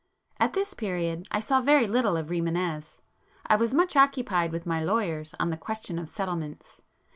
At this period I saw very little of Rimânez. I was much occupied with my lawyers on the question of 'settlements.